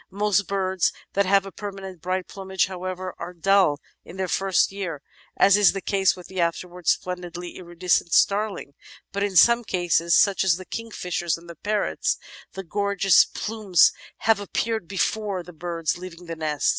Most birds that have a permanent bright plumage, however, are dull in their first year, as is the case with the afterwards splendidly iridescent Starling, but in some cases, such as the Kingfishers and the Parrots, the gorgeous plumes have appeared before the birds leave the nest.